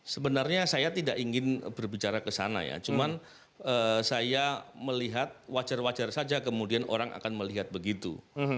sebenarnya saya tidak ingin berbicara kesana ya cuman saya melihat wajar wajar saja kemudian orang akan melihat begitu